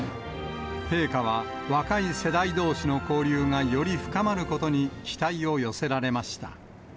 陛下は若い世代どうしの交流がより深まることに期待を寄せられました。